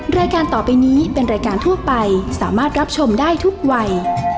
รายการต่อไปนี้เป็นรายการทั่วไปสามารถรับชมได้ทุกวัย